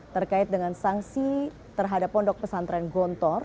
terkait dengan sanksi terhadap pondok pesantren gontor